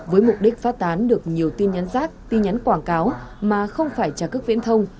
với mục đích phát tán được nhiều tin nhắn rác tin nhắn quảng cáo mà không phải trả cước viễn thông